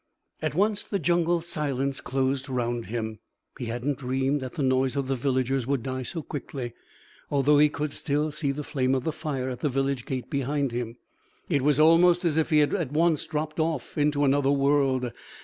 At once the jungle silence closed round him. He hadn't dreamed that the noise of the villagers would die so quickly. Although he could still see the flame of the fire at the village gate behind him, it was almost as if he had at once dropped off into another world.